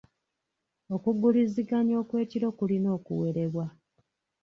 Okuguliziganya kw'ekiro kulina okuwerebwa.